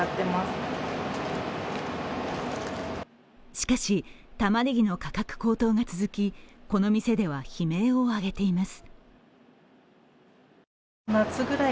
しかし、たまねぎの価格高騰が続き、この店では悲鳴を上げています。